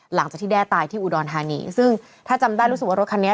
หลังจากที่แด้ตายที่อุดรธานีซึ่งถ้าจำได้รู้สึกว่ารถคันนี้